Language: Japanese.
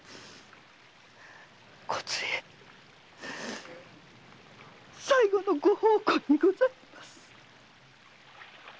こずえ最後のご奉公にございます！